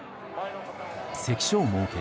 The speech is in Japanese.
関所を設け